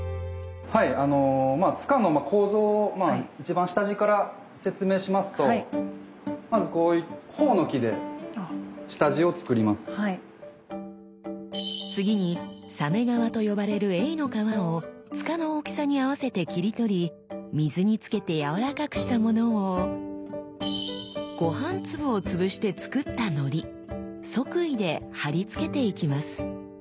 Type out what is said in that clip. はいあのまあ柄の構造を一番下地から説明しますとまず次に鮫皮と呼ばれるエイの皮を柄の大きさに合わせて切り取り水につけて軟らかくしたものをごはん粒を潰して作ったのり続飯で貼り付けていきます。